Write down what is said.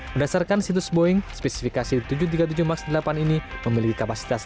berdasarkan situs boeing spesifikasi tujuh ratus tiga puluh tujuh max delapan ini memiliki kapasitas